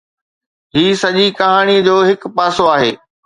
هي سڄي ڪهاڻي جو هڪ پاسو آهي.